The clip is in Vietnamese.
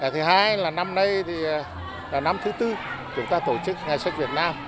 thứ hai là năm nay thì là năm thứ tư chúng ta tổ chức ngày sách việt nam